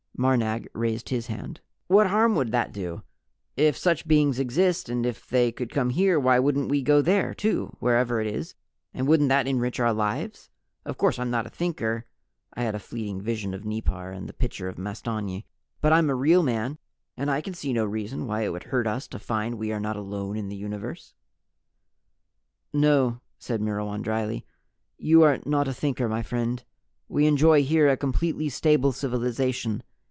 Marnag raised his hand. "What harm would that do? If such beings exist, and if they could come here, why couldn't we go there too wherever it is and wouldn't that enrich our lives? Of course I'm not a Thinker " I had a fleeting vision of Nipar and the pitcher of mastonyi! "but I'm a Real Man and I can see no reason why it would hurt us to find we are not alone in the universe." "No," said Myrwan dryly. "You are not a Thinker, my friend. We enjoy here a completely stable civilization.